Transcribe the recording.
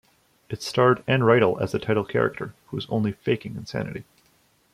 It starred Enn Reitel as the title character, who is only faking insanity.